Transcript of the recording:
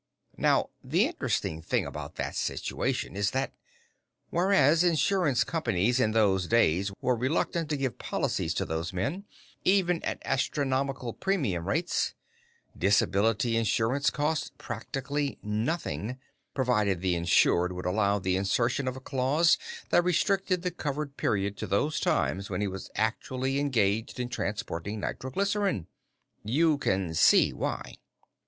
"Now, the interesting thing about that situation is that, whereas insurance companies in those days were reluctant to give policies to those men, even at astronomical premium rates, disability insurance cost practically nothing provided the insured would allow the insertion of a clause that restricted the covered period to those times when he was actually engaged in transporting nitroglycerine. You can see why."